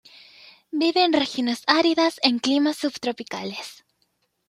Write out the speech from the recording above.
Vive en regiones áridas en climas subtropicales.